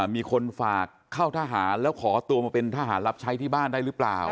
มีคนฝากเข้าทหารแล้วขอตัวมาเป็นทหารรับใช้ที่บ้านได้หรือเปล่า